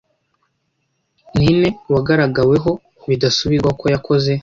n ine wagaragaweho bidasubirwaho ko yakoze